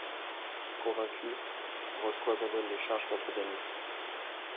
Convaincu, Roscoe abandonne les charges contre Danny.